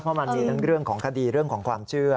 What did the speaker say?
เพราะมันมีเรื่องของคดีของความเชื่อ